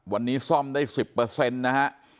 วันนี้ซ่อมได้๑๐นะฮะ